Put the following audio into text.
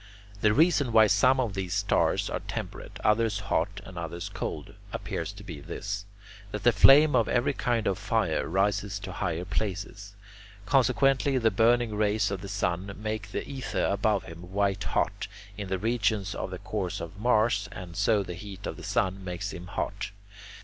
The reason why some of these stars are temperate, others hot, and others cold, appears to be this: that the flame of every kind of fire rises to higher places. Consequently, the burning rays of the sun make the ether above him white hot, in the regions of the course of Mars, and so the heat of the sun makes him hot.